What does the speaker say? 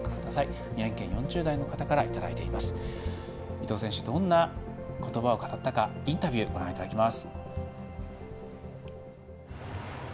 伊藤選手、どんな言葉を語ったかインタビューをご覧いただきます。